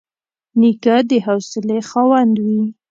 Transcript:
نیکه د حوصلې خاوند وي.